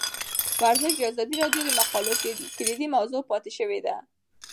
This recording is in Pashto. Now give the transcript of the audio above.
ورزش د ازادي راډیو د مقالو کلیدي موضوع پاتې شوی.